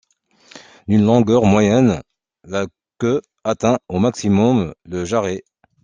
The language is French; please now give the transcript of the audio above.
D’une longueur moyenne, la queue atteint au maximum le jarret.